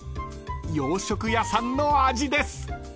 洋食屋さんの味です］